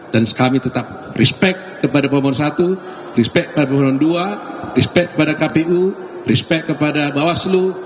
dan kami tetap respect kepada pemohon satu respect kepada pemohon dua respect kepada pemohon tiga respect kepada deman pahlawan